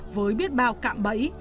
với biết bao cạm bẫy